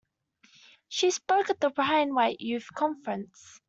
She spoke at the Ryan White Youth Conference.